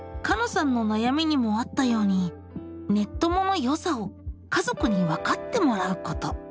さんの悩みにもあったようにネッ友の良さを家族にわかってもらうこと。